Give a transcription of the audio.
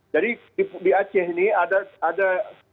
jadi di aceh ini ada ada